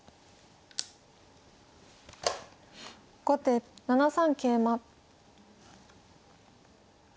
後手７三桂馬。